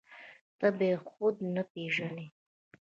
ته به يې خود نه پېژنې.